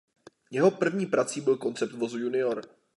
Jeho první prací byl koncept vozu Junior.